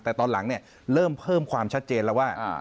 แต่ตอนหลังเนี่ยเริ่มเพิ่มความชัดเจนแล้วว่า